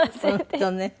本当ね。